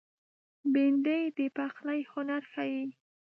بېنډۍ د پخلي هنر ښيي